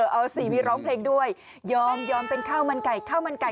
เอาสิมีร้องเพลงด้วยยอมยอมเป็นข้าวมันไก่